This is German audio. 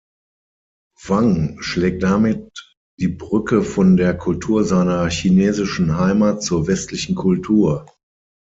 Wang schlägt damit die Brücke von der Kultur seiner chinesischen Heimat zur westlichen Kultur.